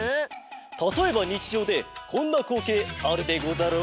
たとえばにちじょうでこんなこうけいあるでござろう？